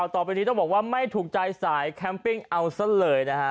ต่อไปนี้ต้องบอกว่าไม่ถูกใจสายแคมปิ้งเอาซะเลยนะฮะ